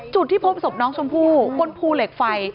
จุดที่พบศพน้องชมพู่บนภูเหล็กไฟ